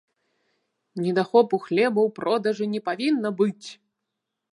Недахопу хлеба ў продажы не павінна быць.